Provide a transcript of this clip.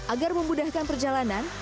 agar memudahkan perjalanan